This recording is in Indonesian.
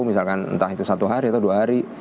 misalkan entah itu satu hari atau dua hari